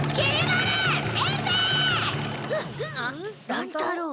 乱太郎！？